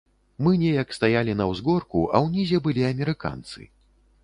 Мы неяк стаялі на ўзгорку, а ўнізе былі амерыканцы.